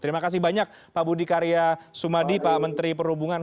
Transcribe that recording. terima kasih banyak pak budi karya sumadi pak menteri perhubungan